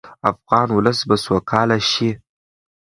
افغان ولس به سوکاله شي.